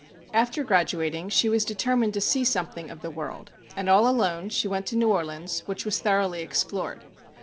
After graduating, she determined to see something of the world, and all alone she went to New Orleans, which was thorough ly explored.